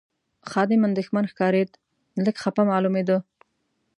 خادم اندېښمن ښکارېد، لږ خپه معلومېده.